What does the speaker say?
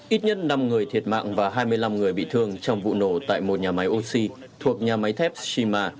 ít nhất năm người thiệt mạng và hai mươi năm người bị thương trong vụ nổ tại một nhà máy oxy thuộc nhà máy thép cima